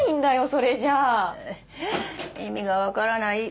それじゃ意味がわからない